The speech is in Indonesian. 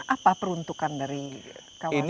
apa peruntukan dari kawasan ini